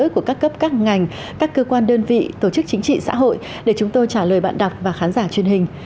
của các cấp các ngành các cơ quan đơn vị tổ chức chính trị xã hội để chúng tôi trả lời bạn đọc và khán giả truyền hình